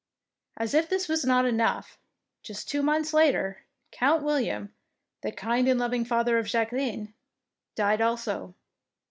As if this was not enough, just two months later. Count William, the kind and loving father of Jacqueline, died also.